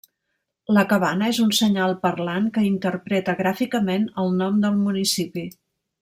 La cabana és un senyal parlant que interpreta gràficament el nom del municipi.